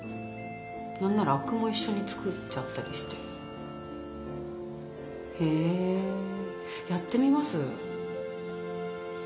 何なら灰汁も一緒に作っちゃったりして。へやってみます。